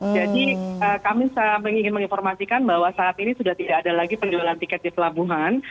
jadi kami ingin menginformasikan bahwa saat ini sudah tidak ada lagi penjualan tiket di pelabuhan